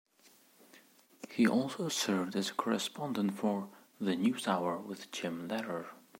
He also served as a correspondent for "The News Hour with Jim Lehrer".